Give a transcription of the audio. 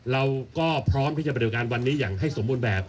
เราก็พร้อมที่จะบริการวันนี้อย่างให้สมบูรณ์แบบ